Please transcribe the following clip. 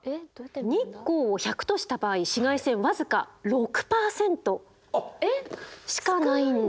日光を１００とした場合紫外線僅か６％しかないんです。